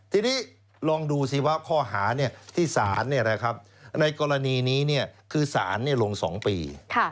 ทีนี้ลองดูสิว่าข้อหาที่ศาลในกรณีนี้คือสารลง๒ปี